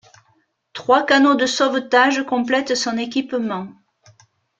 Trois canots de sauvetages complètent son équipement.